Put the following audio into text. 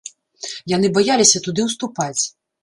Яны баяліся туды ўступаць.